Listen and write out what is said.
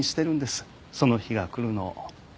その日が来るのを。